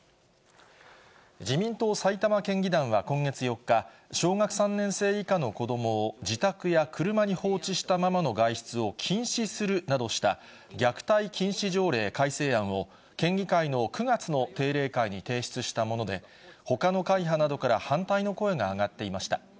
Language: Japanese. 自民党埼玉県議団は今月４日、小学３年生以下の子どもを自宅や車に放置したままの外出を禁止するなどした、虐待禁止条例改正案を、県議会の９月の定例会に提出したもので、ほかの会派などから反対の声が上がっていました。